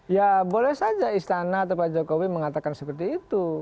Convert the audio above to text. ya boleh saja istana atau pak jokowi mengatakan seperti itu